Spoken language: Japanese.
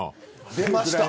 出ました。